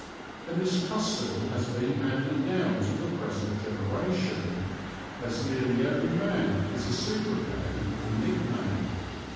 and this custom has been handed down to the present generation, as nearly every man has a sobriquet, or nickname.